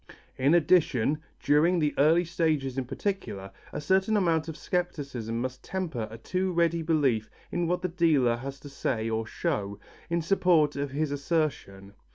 In addition, during the early stages in particular, a certain amount of scepticism must temper a too ready belief in what the dealer has to say or show, in support of his assertion.